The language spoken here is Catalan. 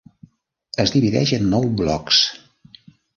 Es divideix en nou blocs.